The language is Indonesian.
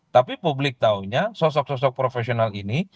tapi publik tahunya sosok sosok profesional ini